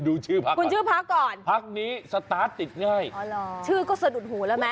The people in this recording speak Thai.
ดูชื่อพักก่อนพักนี้สตาร์ทติดง่ายชื่อก็สะดุดหูแล้วมั้ย